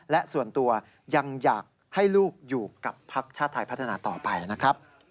และส่วนตัวยังอยากให้ลูกอยู่กับภักดิ์ชาติไทยพัฒนาต่อไปนะครับ